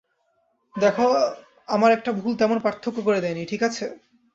দেখো আমার একটা ভুল তেমন পার্থক্য গড়ে দেয়নি, ঠিক আছে?